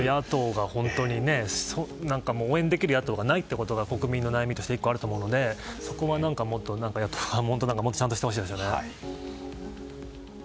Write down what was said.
本当に応援できる野党がないことが国民の悩みとして１個あると思うのでそこはもっと野党はちゃんとしてほしいなと。